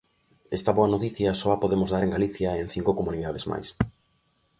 Esta boa noticia só a podemos dar en Galicia e en cinco comunidades máis.